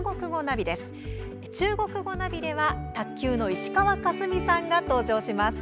ナビ」では卓球の石川佳純さんが登場します。